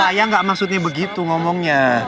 saya nggak maksudnya begitu ngomongnya